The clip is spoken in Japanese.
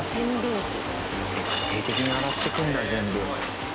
徹底的に洗っていくんだ全部。